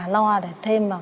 lo để thêm vào